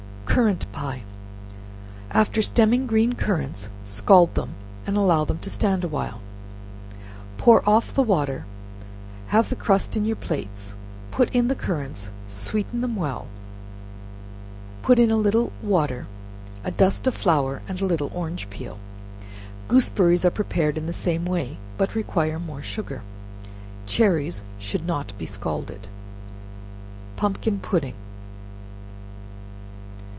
Currant Pie. After stemming green currants, scald them, and allow them to stand awhile; pour off the water; have the crust in your plates; put in the currants, sweeten them well; put in a little water, a dust of flour and a little orange peel. Gooseberries are prepared in the same way, but require more sugar. Cherries should not be scalded. Pumpkin Pudding.